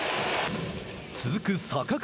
続く坂倉。